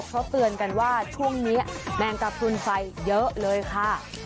เขาเตือนกันว่าช่วงนี้แมงกระพุนไฟเยอะเลยค่ะ